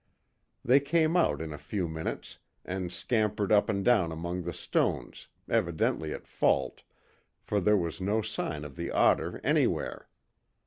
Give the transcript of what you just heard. They came out in a few minutes, and scampered up and down among the stones, evidently at fault, for there was no sign of the otter anywhere.